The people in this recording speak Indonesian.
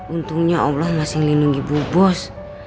untungnya allah masih lindungi bu bos